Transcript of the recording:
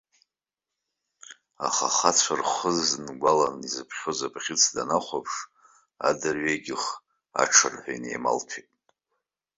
Аха ахацәа рхы зынгәаланы изыԥхьоз абӷьыц даннахәаԥш адырҩегьых аҽырҳәа инеималҭәеит.